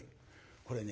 これね